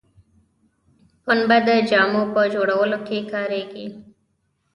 پنبه د جامو په جوړولو کې کاریږي